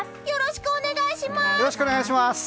よろしくお願いします！